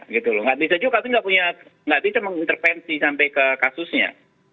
nggak bisa juga kami nggak punya nggak bisa mengintervensi sampai ke kasusnya